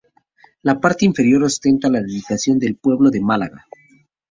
La parte inferior ostenta la dedicación del pueblo de Málaga.